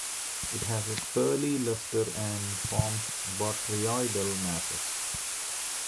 It has a pearly lustre and forms botryoidal masses.